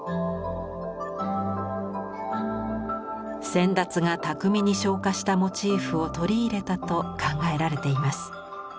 先達が巧みに昇華したモチーフを取り入れたと考えられています。